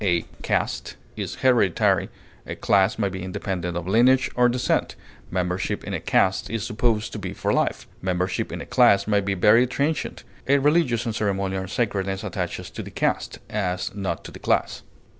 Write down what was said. A caste is hereditary; a class may be independent of lineage or descent; membership in a caste is supposed to be for life; membership in a class may be very transient; a religious and ceremonial sacredness attaches to the caste, as not to the class.